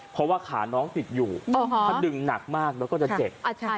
เพราะว่าขาน้องติดอยู่ถ้าดึงหนักมากแล้วก็จะเจ็บ